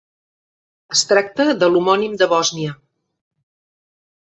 Es tracta de l'homònim de Bòsnia.